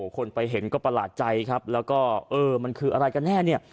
คนไปเห็นก็ประหลาดใจครับแล้วก็เออมันคืออะไรกันแน่เนี่ย